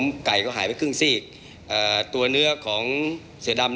มีการที่จะพยายามติดศิลป์บ่นเจ้าพระงานนะครับ